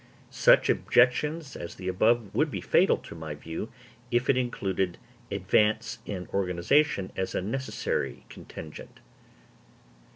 Such objections as the above would be fatal to my view, if it included advance in organisation as a necessary contingent.